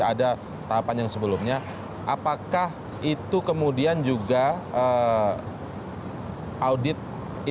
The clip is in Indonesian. ada tahapan yang sebelumnya apakah itu kemudian juga audit itu sempat meminta klarifikasi